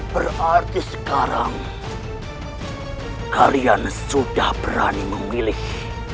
berarti sekarang kalian sudah berani memilih